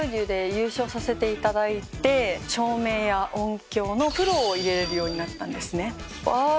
ＴＨＥＷで優勝させていただいて照明や音響のプロを入れれるようになったんですね